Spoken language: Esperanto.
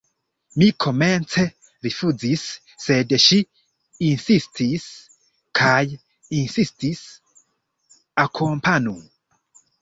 Mi komence rifuzis, sed ŝi insistis kaj insistis: Akompanu!